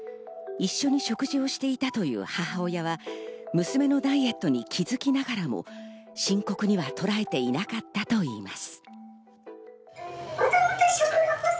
一緒に食事をしていたという母親は娘のダイエットに気づきながらも深刻にはとらえていなかったといいます。